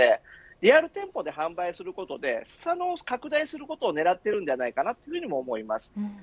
リアル店舗で販売することで裾野を拡大することを狙っているのではないかと思います。